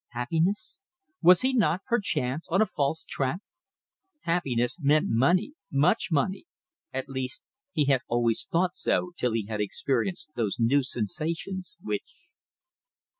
Happiness? Was he not, perchance, on a false track? Happiness meant money. Much money. At least he had always thought so till he had experienced those new sensations which